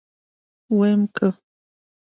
ويم که.